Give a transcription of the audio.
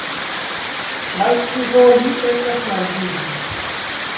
Malscivoli estas malvivi.